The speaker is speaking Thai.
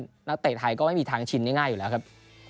นักเตะไทยก็ไม่มีทางชินง่ายอยู่แล้วครับ